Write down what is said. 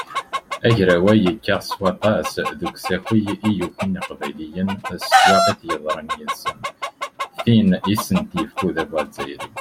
Agraw-a yekka s waṭas deg usaki i yukin yiqbayliyen s twaɣit yeḍran yid-sen, tin i sen-yefka udabu azzayri.